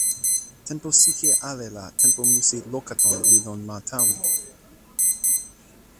tenpo sike ale la tenpo musi Lokaton li lon ma Tawi.